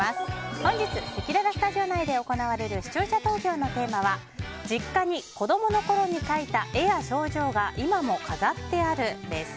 本日、せきららスタジオ内で行われる視聴者投票のテーマは実家に子供のころに描いた絵や賞状が今も飾ってあるです。